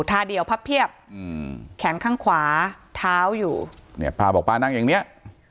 ท่าเดียวพับเพียบอืมแขนข้างขวาเท้าอยู่เนี่ยป้าบอกป้านั่งอย่างเนี้ย